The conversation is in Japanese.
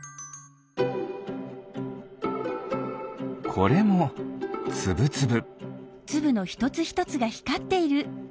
これもつぶつぶ。